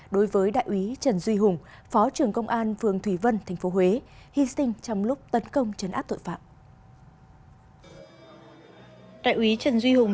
đối với đại úy trần duy hùng phó trưởng công an phường thủy vân tp huế hy sinh trong lúc tấn công chấn áp tội phạm